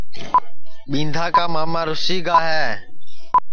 ٻیندھا کا ماما راجیش رُوسی گا ہے